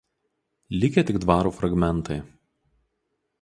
Likę tik dvaro fragmentai.